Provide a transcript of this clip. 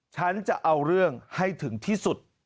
ฉันจะเอาเรื่องให้ถึงที่สุด